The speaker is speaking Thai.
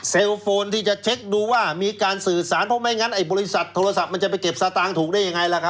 โฟนที่จะเช็คดูว่ามีการสื่อสารเพราะไม่งั้นไอ้บริษัทโทรศัพท์มันจะไปเก็บสตางค์ถูกได้ยังไงล่ะครับ